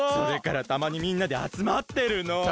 それからたまにみんなであつまってるの。